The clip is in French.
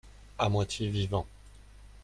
À moitié vivant.